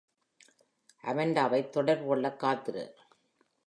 அமென்டாவைத் தொடர்பு கொள்ளக் காத்திரு.